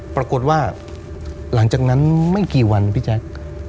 ปรากฏว่าหลังจากนั้นไม่กี่วันพี่แจ๊ค